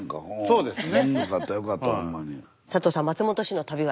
そうですね。